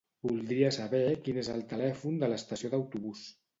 Voldria saber quin és el telèfon de l'estació d'autobús.